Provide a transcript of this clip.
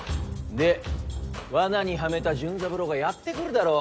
で罠にはめた純三郎がやって来るだろ？